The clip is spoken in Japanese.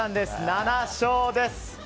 ７勝です。